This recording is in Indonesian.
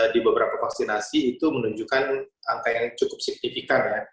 di beberapa vaksinasi itu menunjukkan angka yang cukup signifikan ya